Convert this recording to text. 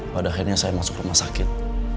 pada akhirnya saya masuk rumah sakit